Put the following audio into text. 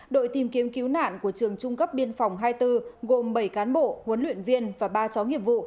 đội tìm kiếm cứu nạn của trường trung cấp biên phòng hai mươi bốn gồm bảy cán bộ huấn luyện viên và ba chó nghiệp vụ